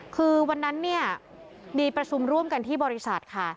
คือวันนั้นเนี่ยมีประชุมร่วมกันที่บริษัทค่ะ